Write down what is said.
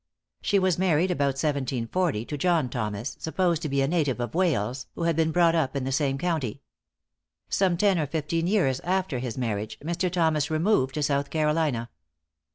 She was married about 1740, to John Thomas, supposed to be a native of Wales, who had been brought up in the same county. Some ten or fifteen years after his marriage, Mr. Thomas removed to South Carolina.